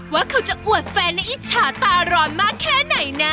ว่าเขาจะอวดแฟนและอิจฉาตาร้อนมากแค่ไหนนะ